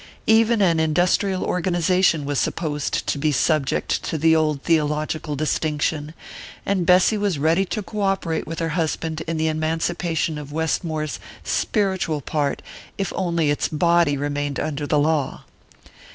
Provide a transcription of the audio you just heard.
Even an industrial organization was supposed to be subject to the old theological distinction, and Bessy was ready to co operate with her husband in the emancipation of Westmore's spiritual part if only its body remained under the law.